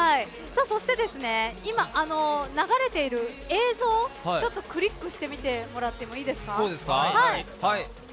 今流れている映像をクリックしてみてもらってもいいですか。